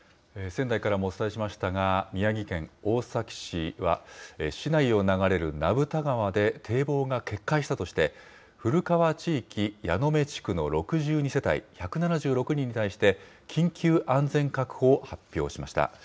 仙台からもお伝えしましたが、宮城県大崎市は、市内を流れる名蓋川で堤防が決壊したとして、古川地域矢目地区の６２世帯１７６人に対して緊急安全確保を発表しました。